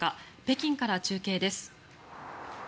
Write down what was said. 北京から中継です。